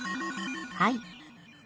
はい。